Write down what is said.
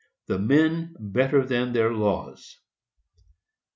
THE MEN BETTER THAN THEIR LAWS.